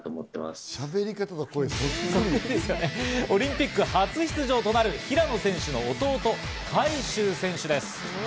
オリンピック初出場となる平野選手の弟・海祝選手です。